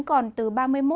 còn từ ba mươi độ